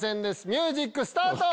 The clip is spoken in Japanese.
ミュージックスタート！